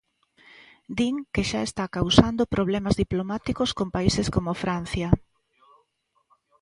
Din que xa está causando problemas diplomáticos con países como Francia.